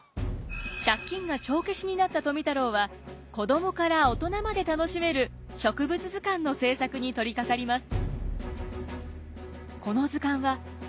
借金が帳消しになった富太郎は子どもから大人まで楽しめる植物図鑑の制作に取りかかります。